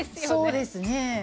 そうですね。